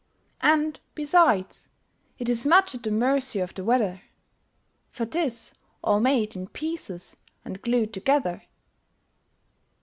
And, besides, it is much at the mercy of the weather For 'tis all made in pieces and glued together!